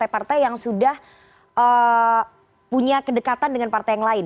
kenapa safari politiknya harus ke partai partai yang sudah punya kedekatan dengan partai yang lain